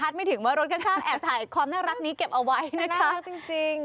๑ตั้งโยกแล้วก็เราเพลงเพลงรถใช่ไหม